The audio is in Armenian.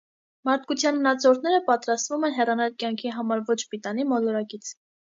Մարդկության մնացորդները պատրաստվում են հեռանալ կյանքի համար ոչ պիտանի մոլորակից։